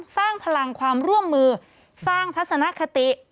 สร้างพลังความร่วมมือสร้างทัศนคติ